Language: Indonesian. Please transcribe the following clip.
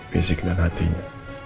fizik dan hatinya